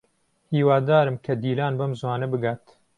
هیوادارم کە دیلان بەم زووانە بگات.